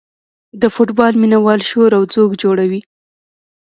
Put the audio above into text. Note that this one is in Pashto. د فوټبال مینه وال شور او ځوږ جوړوي.